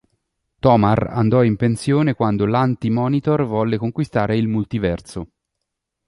Tomar andò in pensione quando l'Anti-Monitor volle conquistare il multiverso.